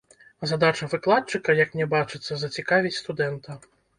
Задача выкладчыка, як мне бачыцца, зацікавіць студэнта.